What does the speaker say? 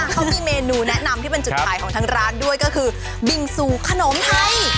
เขามีเมนูแนะนำที่เป็นจุดขายของทางร้านด้วยก็คือบิงซูขนมไทย